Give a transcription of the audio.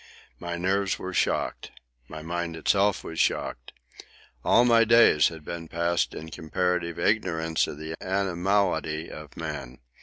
My nerves were shocked. My mind itself was shocked. All my days had been passed in comparative ignorance of the animality of man.